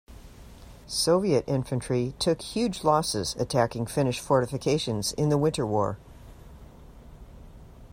Soviet infantry took huge losses attacking Finnish fortifications in the Winter War.